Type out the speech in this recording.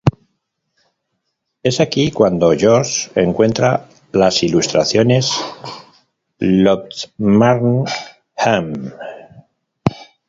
Es aquí cuando George encuentra las ilustraciones Lochmarne-gem.